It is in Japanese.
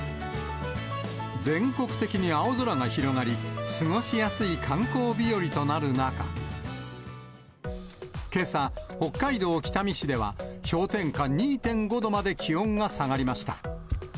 全国的に青空が広がり、過ごしやすい観光日和となる中、けさ、北海道北見市では、氷点下２．５度まで気温が下がりました。